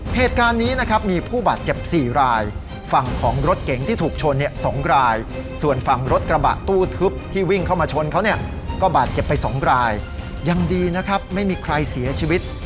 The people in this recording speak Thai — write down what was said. เหตุการณ์นี้นะครับมีผู้บาดเจ็บ๔รายฝั่งของรถเก๋งที่ถูกชนเนี่ย๒รายส่วนฝั่งรถกระบะตู้ทึบที่วิ่งเข้ามาชนเขาเนี่ยก็บาดเจ็บไปสองรายยังดีนะครับไม่มีใครเสียชีวิต